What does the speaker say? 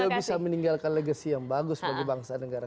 jadi dia bisa meninggalkan legacy yang bagus bagi bangsa negara